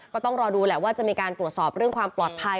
ก็ต้องรอดูแหละว่าจะมีการตรวจสอบเรื่องความปลอดภัย